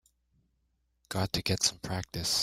Got to get some practice.